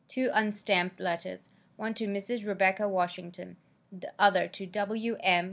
Two unstamped letters, one to Mrs. Rebecca Washington, the other to Wm.